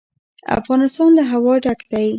افغانستان له هوا ډک دی.